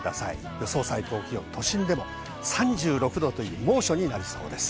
予想最高気温、都心でも３６度という猛暑になりそうです。